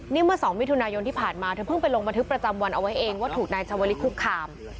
นี่เมื่อ๒มิถุนายนที่ผ่านมาเธอเพิ่งไปลงบันทึกประจำวันเอาไว้เองว่าถูกนายชาวลิศคุกคาม